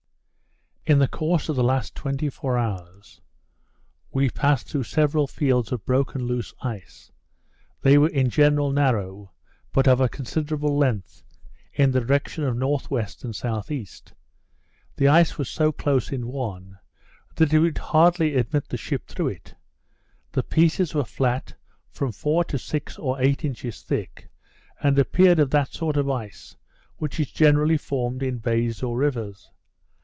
In the course of the last twenty four hours we passed through several fields of broken loose ice. They were in general narrow, but of a considerable length, in the direction of N.W. and S.E. The ice was so close in one, that it would hardly admit the ship through it. The pieces were flat, from four to six or eight inches thick, and appeared of that sort of ice which is generally formed in bays or rivers.